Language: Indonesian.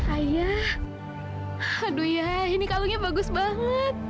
ayah aduh ya ini kalungnya bagus banget